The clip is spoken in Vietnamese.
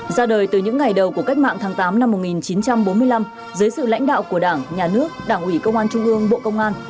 ra đời từ những ngày đầu của cách mạng tháng tám năm một nghìn chín trăm bốn mươi năm dưới sự lãnh đạo của đảng nhà nước đảng ủy công an trung ương bộ công an